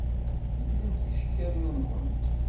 Beddlemt iceṭṭiḍen-nkent!